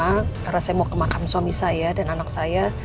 karena saya mau ke makam suami saya dan anak saya